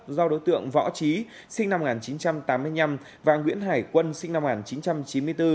do đối tượng võ trí sinh năm một nghìn chín trăm tám mươi năm và nguyễn hải quân sinh năm một nghìn chín trăm chín mươi bốn